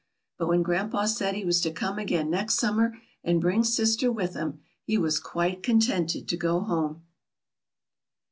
But when grandpa said he was to come again next summer and bring sister with him, he was quite contented to go home.